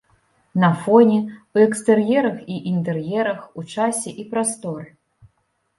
На фоне, у экстэр'ерах і інтэр'ерах, у часе і прасторы.